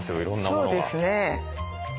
そうですね。